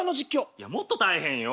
いやもっと大変よ。